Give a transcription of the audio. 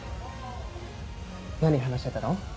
何話してたの？